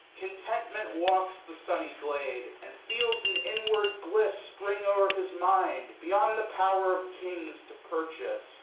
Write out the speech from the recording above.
Contentment walks The sunny glade, and feels an inward bliss Spring o'er his mind, beyond the power of kinga To purchase.